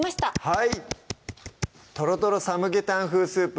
はい「とろとろサムゲタン風スープ」